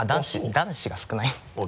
男子が少ない